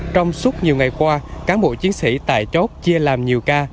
trong suốt nhiều ngày qua cán bộ chiến sĩ tại chốt chia làm nhiều ca